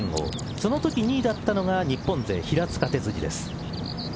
そのとき２位だったのが日本勢、平塚です。